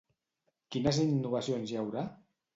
Quines innovacions hi haurà?